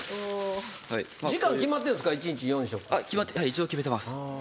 一応決めてます。